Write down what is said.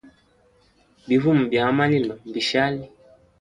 Bivuma bya a malilo mbishali.